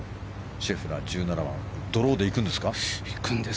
シェフラー、１７番ドローで行くんですか。